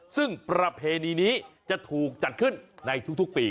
ซึ่งประเพณีนี้จะถูกจัดขึ้นในทุกปี